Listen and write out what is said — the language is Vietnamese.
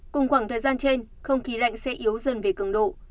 cùng khoảng thời gian trên không khí lạnh sẽ yếu dần về cường độ